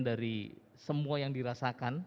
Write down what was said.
dari semua yang dirasakan